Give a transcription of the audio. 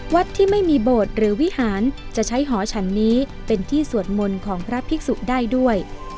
ที่ไม่มีโบสถ์หรือวิหารจะใช้หอฉันนี้เป็นที่สวดมนต์ของพระภิกษุได้ด้วย